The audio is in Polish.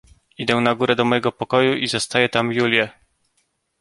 "Idę na górę do mego pokoju i zastaję tam Julię."